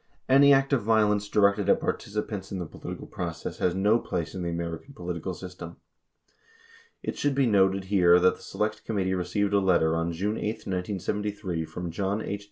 26 Any act of vio lence directed at participants in the political process has no place in the American political system. It should be noted here that the Select Committee received a letter on June 8, 1973, from John H.